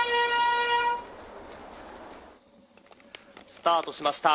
「スタートしました」